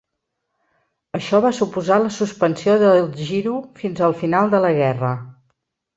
Això va suposar la suspensió del Giro fins al final de la guerra.